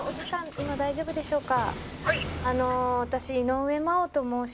今大丈夫でしょうか？